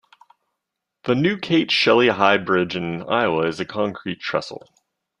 The new Kate Shelley High Bridge in Iowa is a concrete trestle.